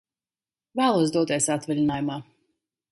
Vēlos doties atvaļinājumā!